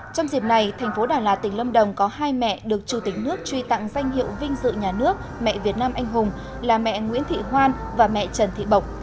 trong dịp này thành phố đà lạt tỉnh lâm đồng có hai mẹ được chủ tịch nước truy tặng danh hiệu vinh dự nhà nước mẹ việt nam anh hùng là mẹ nguyễn thị hoan và mẹ trần thị bộc